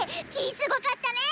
すごかったね！